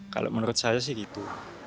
kalau menurut saya sih gitu